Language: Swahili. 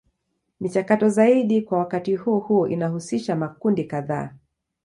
Michakato zaidi kwa wakati huo huo inahusisha makundi kadhaa.